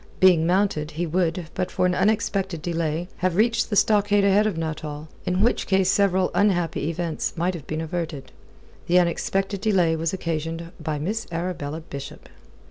Being mounted, he would, but for an unexpected delay, have reached the stockade ahead of Nuttall, in which case several unhappy events might have been averted. The unexpected delay was occasioned by Miss Arabella Bishop.